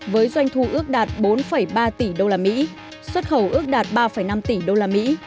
một mươi ba tám với doanh thu ước đạt bốn ba tỷ usd xuất khẩu ước đạt ba năm tỷ usd